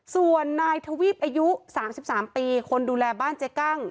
ส่วนนายทวีปอายุ๓๓ปีคนดูแลบ้านเจ๊กั้ง